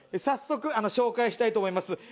早速紹介したいと思います。